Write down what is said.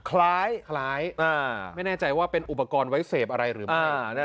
คล้ายไม่แน่ใจว่าเป็นอุปกรณ์ไว้เสพอะไรหรือไม่